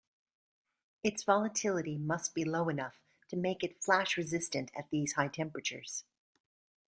Its volatility must be low enough to make it flash-resistant at these high temperatures.